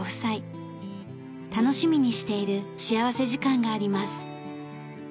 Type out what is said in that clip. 楽しみにしている幸福時間があります。